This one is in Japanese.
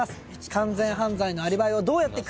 完全犯罪のアリバイをどうやって崩すのか！？